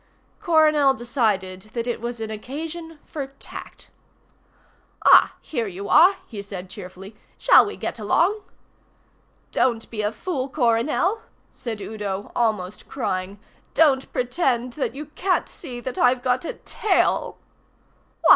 Coronel decided that it was an occasion for tact. "Ah, here you are," he said cheerfully. "Shall we get along?" "Don't be a fool, Coronel," said Udo, almost crying. "Don't pretend that you can't see that I've got a tail."